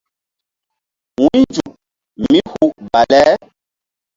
Wu̧ynzuk mí hu bale.